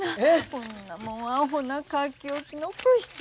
こんなもうアホな書き置き残して。